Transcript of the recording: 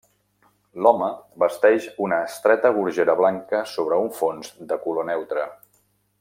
L'home vesteix una estreta gorgera blanca sobre un fons de color neutre.